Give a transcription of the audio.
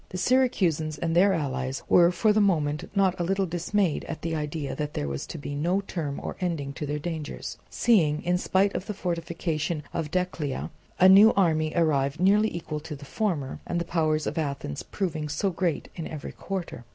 The Syracusans and their allies were for the moment not a little dismayed at the idea that there was to be no term or ending to their dangers, seeing, in spite of the fortification of Decelea, a new army arrive nearly equal to the former, and the power of Athens proving so great in every quarter.